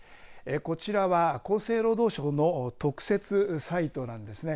こちらは厚生労働省の特設サイトなんですね。